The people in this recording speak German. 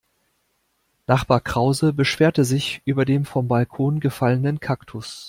Nachbar Krause beschwerte sich über den vom Balkon gefallenen Kaktus.